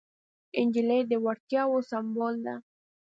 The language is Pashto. نجلۍ د وړتیاوو سمبول ده.